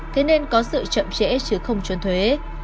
thế nên có sự chậm trễ chứ không trốn thuế